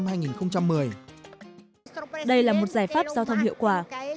đây là một giải pháp giao thông hiệu quả